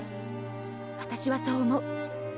私はそう思う。